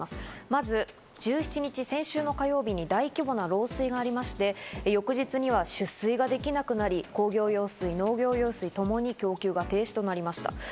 まず１７日、先週の火曜日に大規模な漏水がありまして、翌日には取水ができなくなり、工業用水、農業用水ともに供給が停止となりました。